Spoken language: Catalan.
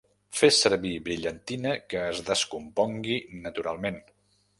Fes servir brillantina que es descompongui naturalment.